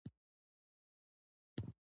د افغانستان طبیعت له اوښانو څخه جوړ شوی دی.